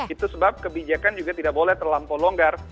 itu sebab kebijakan juga tidak boleh terlampau longgar